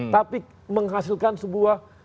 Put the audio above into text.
tapi menghasilkan sebuah